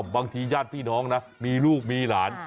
บางทีญาติพี่น้องนะมีลูกมีหลาน